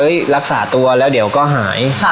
รักษาตัวแล้วเดี๋ยวก็หาย